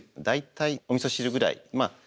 大体おみそ汁ぐらい。